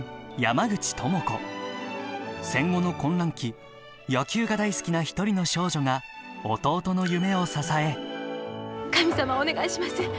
戦後の混乱期野球が大好きな１人の少女が弟の夢を支え神様お願いします。